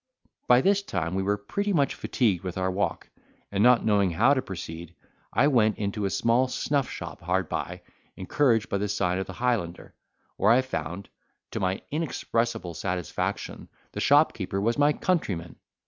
By this time we were pretty much fatigued with our walk, and not knowing how to proceed, I went into a small snuff shop hard by, encouraged by the sign of the Highlander, where I found, to my inexpressible satisfaction, the shopkeeper was my countryman.